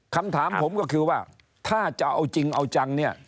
คำถามผมก็คือว่าถ้าจะเอาจริงเอาจังเนี่ย